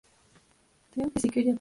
Mark Howard grabó y mezcló el álbum.